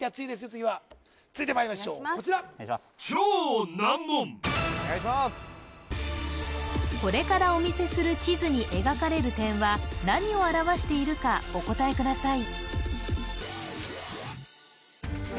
次は続いてまいりましょうこちらこれからお見せする地図に描かれる点は何を表しているかお答えください